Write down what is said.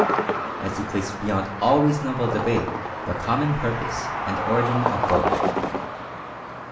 as to place beyond all reasonable debate the common purpose and origin of both.